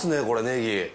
これねぎ。